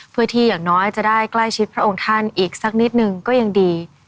เพื่อที่อย่างน้อยจะได้ใกล้ชิดพระองค์ท่านอีกสักนิดนึงก็ยังดี